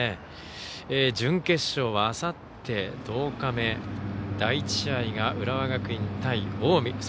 準決勝はあさって１０日目第１試合が、浦和学院対近江。